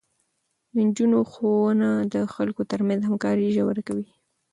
د نجونو ښوونه د خلکو ترمنځ همکاري ژوره کوي.